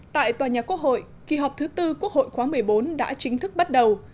tại tòa nhà quốc hội kỳ họp thứ tư quốc hội khóa một mươi bốn đã chính thức bắt đầu